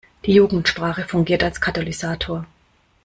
Die Jugendsprache fungiert als Katalysator.